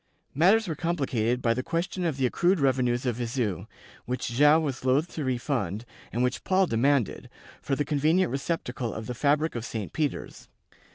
Matters were complicated by the question of the accrued revenues of Viseu, which Joao was loath to refund, and which Paul demanded, for the convenient receptacle of the fabric of St. Peter's.